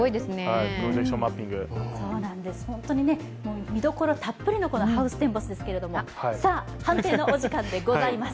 本当に見どころたっぷりのハウステンボスですけれどもさあ、判定のお時間でございます。